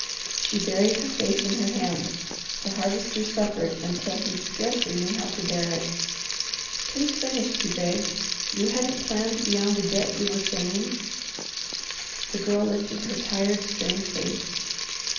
She buried her face in her hands. The Harvester suffered until he scarcely knew how to bear it. "Please finish," he begged. "You hadn't planned beyond the debt, you were saying " The Girl lifted her tired, strained face.